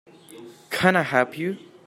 Can I help you?